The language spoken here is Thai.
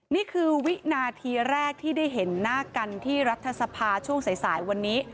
นี่คือวินาทีแรกที่ได้เห็นหน้ากันที่รัฐสภาช่วงสายวันนี้